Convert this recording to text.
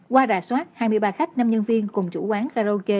qua rà soát hai mươi ba khách năm nhân viên cùng chủ quán karaoke